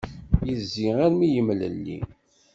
Yezzi armi yemlelli.